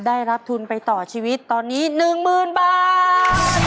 ได้รับทุนไปต่อชีวิตตอนนี้๑๐๐๐บาท